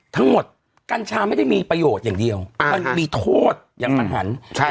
ทั้งหมดกัญชาไม่ได้มีประโยชน์อย่างเดียวอ่ามันมีโทษอย่างสันหรรณใช่